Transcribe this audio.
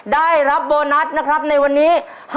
ได้รับโบนัสนะครับในวันนี้